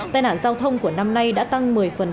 tai nạn giao thông của năm nay đã tăng một mươi